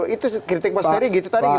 itu kritik pak sendiri gitu tadi gimana